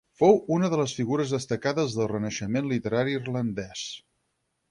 Fou una de les figures destacades del renaixement literari irlandès.